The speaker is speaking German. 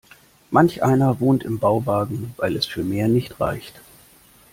Manch einer wohnt im Bauwagen, weil es für mehr nicht reicht.